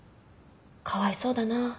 「かわいそうだな」